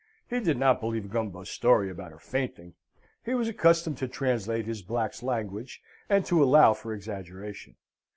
He did not believe Gumbo's story about her fainting; he was accustomed to translate his black's language and to allow for exaggeration.